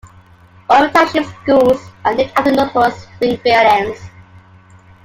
All of the township's schools are named after notable Springfieldians.